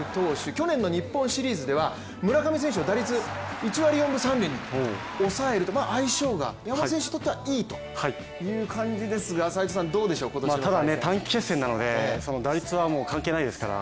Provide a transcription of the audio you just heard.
去年の日本シリーズでは村上選手の打率１割４分３厘に抑えるという相性が、山本投手にとってはいいということなんですがただ、短期決戦なので打率は関係ないですから。